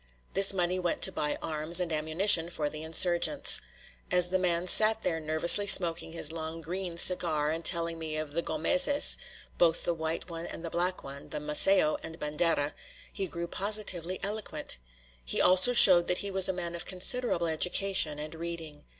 This money went to buy arms and ammunition for the insurgents. As the man sat there nervously smoking his long, "green" cigar, and telling me of the Gómezes, both the white one and the black one, of Macéo and Bandera, he grew positively eloquent. He also showed that he was a man of considerable education and reading.